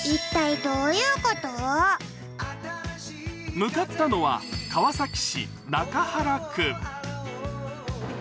向かったのは、川崎市中原区。